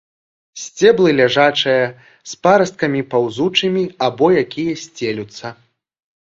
Сцеблы ляжачыя, з парасткамі, паўзучымі або якія сцелюцца.